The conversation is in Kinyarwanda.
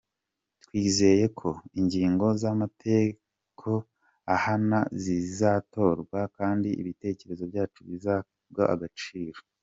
Twizeye ko ingingo z’amategeko ahana zizatorwa kandi ibitekerezo byacu bikazahabwa agaciro.